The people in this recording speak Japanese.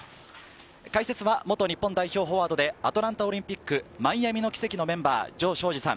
解説は、元日本代表・フォワードでアトランタオリンピック、マイアミの奇跡のメンバー・城彰二さん。